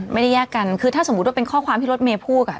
ไม่ได้แยกกันคือถ้าสมมุติว่าเป็นข้อความที่รถเมย์พูดอ่ะ